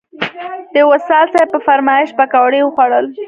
د وصال صیب په فرمایش پکوړې وخوړل.